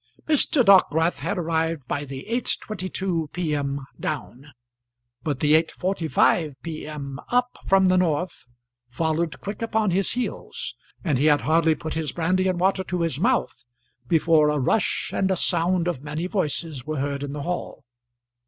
Mr. Dockwrath had arrived by the 8.22 P.M. down, but the 8.45 P.M. up from the north followed quick upon his heels, and he had hardly put his brandy and water to his mouth before a rush and a sound of many voices were heard in the hall.